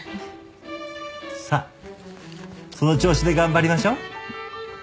さあその調子で頑張りましょう。